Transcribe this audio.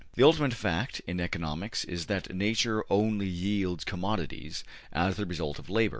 The ultimate fact in economics is that Nature only yields commodities as the result of labor.